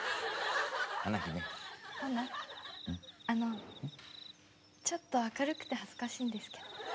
あのちょっと明るくて恥ずかしいんですけど。